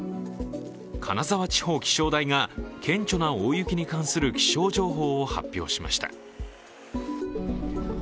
金沢地方気象台が顕著な大雪に関する気象情報を発表しました。